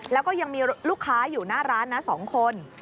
แล้วก็ยังมีลูกค้าอยู่หน้าร้านนะ๒คน